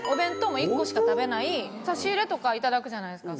差し入れとか頂くじゃないですか